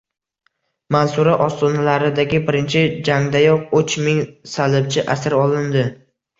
Mansura ostonalaridagi birinchi jangdayoq uch ming salibchi asir olindi